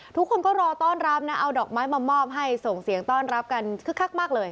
ทุกคนก็รอต้อนรับนะเอาดอกไม้มามอบให้ส่งเสียงต้อนรับกันคึกคักมากเลย